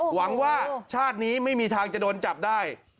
หวังว่าชาตินี้ไม่มีทางจะโดนจับได้